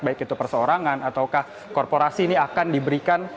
baik itu perseorangan ataukah korporasi ini akan diberikan